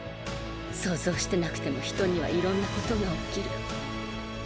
想像してなくても人にはいろんなことが起きる。